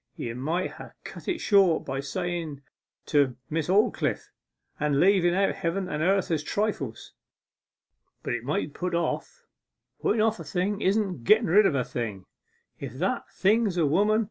You might ha' cut it short by sayen "to Miss Aldclyffe," and leaven out heaven and earth as trifles. But it might be put off; putten off a thing isn't getten rid of a thing, if that thing is a woman.